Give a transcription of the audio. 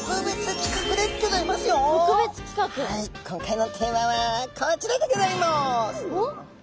今回のテーマはこちらでギョざいます！